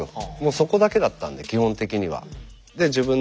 そこだけだったんで基本的には。